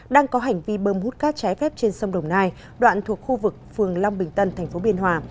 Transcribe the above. đang có hành vi bơm hút cát trái phép trên sông đồng nai đoạn thuộc khu vực phường long bình tân tp biên hòa